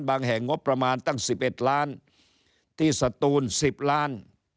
แห่งงบประมาณตั้ง๑๑ล้านที่สตูน๑๐ล้าน